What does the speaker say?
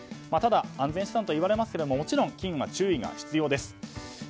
ただ、安全資産といわれますがもちろん、金も注意が必要です。